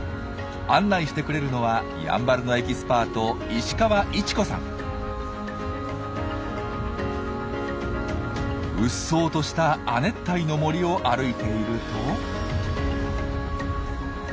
案内してくれるのはやんばるのエキスパートうっそうとした亜熱帯の森を歩いていると。